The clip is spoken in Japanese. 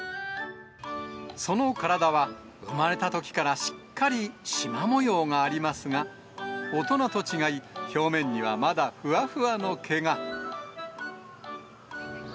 その体は、生まれたときからしっかりしま模様がありますが、大人と違い、表面にはまだふわふわの毛が。